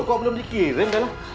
kok bener bener dikirim